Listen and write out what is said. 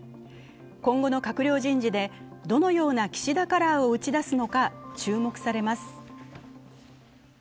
今後の閣僚人事でどのような岸田カラーを打ち出すのか注目されます。